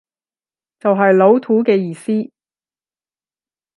就係老土嘅意思